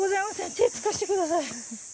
手つかせてください。